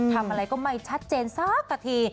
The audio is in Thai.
ทำอะไรก็ไม่ชัดเจนสักกะที